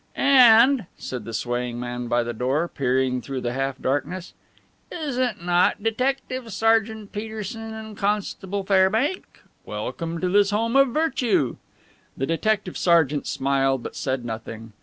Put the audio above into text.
"And," said the swaying man by the door, peering through the half darkness: "Is it not Detective Sergeant Peterson and Constable Fairbank? Welcome to this home of virtue." The detective sergeant smiled but said nothing.